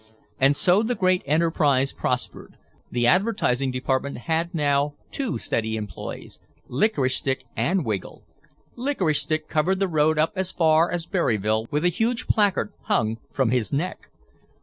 And so the great enterprise prospered. The advertising department had now two steady employees—Licorice Stick and Wiggle. Licorice Stick covered the road up as far as Berryville with a huge placard hung from his neck.